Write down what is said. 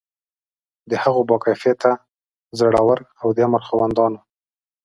د هغو با کفایته، زړه ور او د امر خاوندانو.